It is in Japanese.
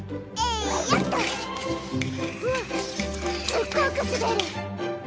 すっごく滑る！